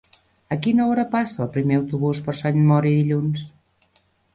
A quina hora passa el primer autobús per Sant Mori dilluns?